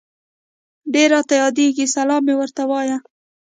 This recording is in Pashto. ډير راته ياديږي سلام مي ورته وايه